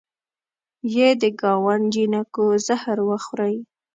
یه د ګاونډ جینکو زهر وخورئ